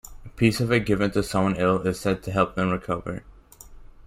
A piece of it given to someone ill is said to help them recover.